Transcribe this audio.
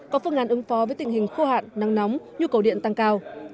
có phương án ứng phó với tình hình khô hạn nắng nóng nhu cầu điện tăng cao